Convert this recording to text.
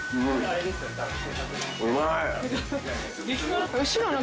うまい。